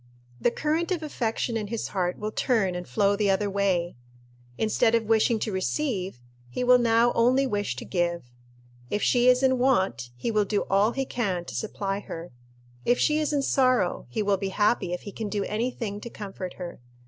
The current of affection in his heart will turn and flow the other way. Instead of wishing to receive, he will now only wish to give. If she is in want, he will do all he can to supply her. If she is in sorrow, he will be happy if he can do any thing to comfort her.